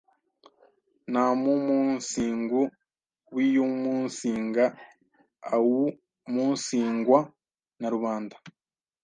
nta muumunsingu wiumunsinga, aumunsingwa na rubanda.